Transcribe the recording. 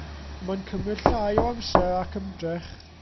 Mae'n cymryd llai o amser ac ymdrech.